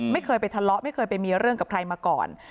ไม่เคยไปทะเลาะไม่เคยไปมีเรื่องกับใครมาก่อน